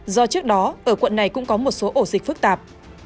do trước đó ở quận này cũng có một số ổ dịch phức tạp